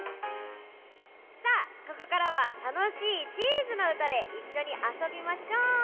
さあここからはたのしいチーズのうたでいっしょにあそびましょう。